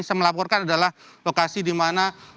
saya melaporkan adalah lokasi dimana